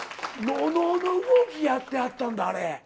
能の動きやってはったんだあれ。